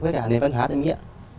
với cả về văn hóa danh nghĩa